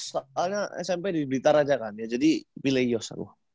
soalnya smp di blitar aja kan jadi pilih yos